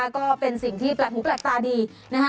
ก็เป็นสิ่งที่แปลกหูแปลกตาดีนะคะ